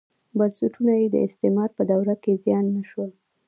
بنسټونه یې د استعمار په دوره کې زیان نه شول.